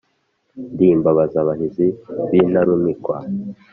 Ndi imbabaz’abahizi b’intarumikwa